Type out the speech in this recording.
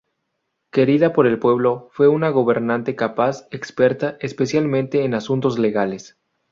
Querida por el pueblo, fue una gobernante capaz, experta especialmente en asuntos legales.